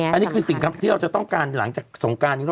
อันนี้คือสิ่งที่เราจะต้องการหลังจากสงการนี้